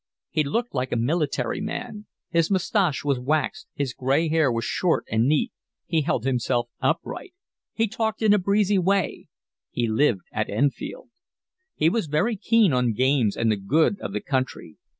He looked like a military man; his moustache was waxed, his gray hair was short and neat, he held himself upright, he talked in a breezy way, he lived at Enfield. He was very keen on games and the good of the country.